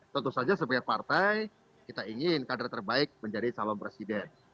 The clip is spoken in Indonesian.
tentu saja sebagai partai kita ingin kader terbaik menjadi calon presiden